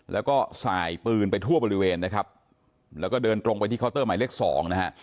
แล้วก็สายปืนไปทั่วบริเวณนะครับแล้วก็เดินตรงไปที่เคาน์เตอร์หมายเลขสองนะฮะ